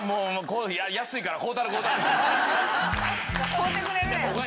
買うてくれるやん。